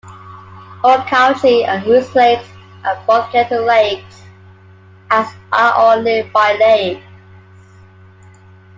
Okauchee and Moose lakes are both kettle lakes as are all nearby lakes.